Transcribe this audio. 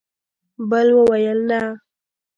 بل وویل: نه!